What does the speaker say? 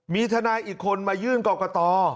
มีทนายอีกคนมายื่นกรกต